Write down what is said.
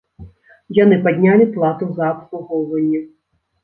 Яны паднялі плату за абслугоўванне.